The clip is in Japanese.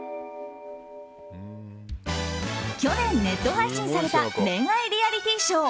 去年、ネット配信された恋愛リアリティーショー